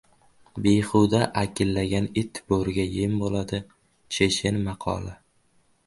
Behuda akillagan it bo‘riga yem bo‘ladi. Chechen maqoli